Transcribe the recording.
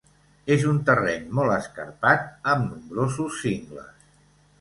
És un terreny molt escarpat amb nombrosos cingles.